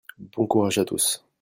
bon courage à tous.